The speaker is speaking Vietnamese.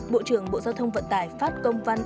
bộ trưởng bộ giao thông vận tải phát công văn